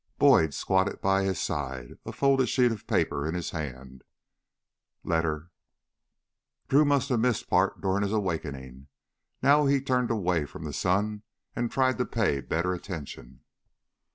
Boyd squatted by his side, a folded sheet of paper in his hand. "... letter ..." Drew must have missed part during his awakening. Now he turned away from the sun and tried to pay better attention.